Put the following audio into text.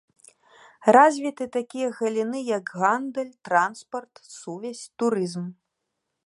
Развіты такія галіны, як гандаль, транспарт, сувязь, турызм.